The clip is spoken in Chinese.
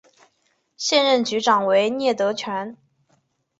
现任局长为聂德权。